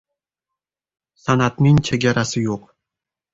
• San’atning chegarasi yo‘q.